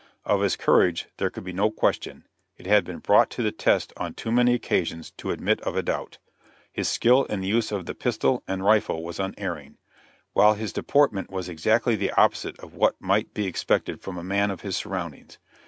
"Of his courage there could be no question; it had been brought to the test on too many occasions to admit of a doubt. His skill in the use of the pistol and rifle was unerring; while his deportment was exactly the opposite of what might be expected from a man of his surroundings.